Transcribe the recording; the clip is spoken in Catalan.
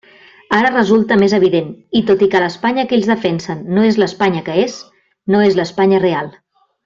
Ara resulta més evident i tot que l'Espanya que ells defensen no és l'Espanya que és, no és l'Espanya real.